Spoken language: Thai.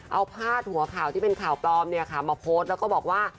เอาพาดหัวข่าวที่เป็นข่าวปลอมเนี่ยค่ะมาโพสต์แล้วก็บอกว่า